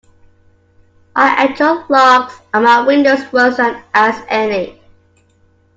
I enjoy larks on my windows worse as any.